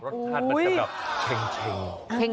รสชาติมันจะเป็นเช็งเช็ง